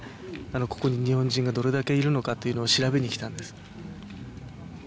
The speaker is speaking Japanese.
ここに日本人がどれだけいるのかというのを調べにきたんです